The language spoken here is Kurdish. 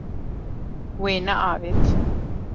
Wê neavêt.